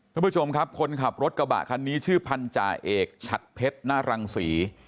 คุณผู้ชมครับคนขับรถกระบะคันนี้ชื่อพันธาเอกชัดเพชรหน้ารังศรี